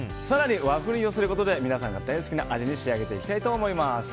更に和風に寄せることで皆さんが大好きな味に仕上げていきたいと思います。